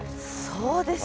そうですよ。